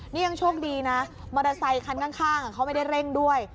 นี่ยังโชคดีนะมอเตอร์ไซคันข้างเขาไม่ได้เร่งด้วย